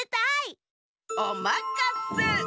おまかせ。